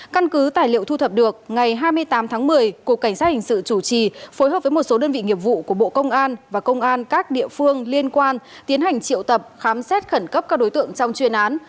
căn cứ tài liệu thu thập được ngày hai mươi tám tháng một mươi cục cảnh sát hình sự chủ trì phối hợp với một số đơn vị nghiệp vụ của bộ công an và công an các địa phương liên quan tiến hành triệu tập khám xét khẩn cấp các đối tượng trong chuyên án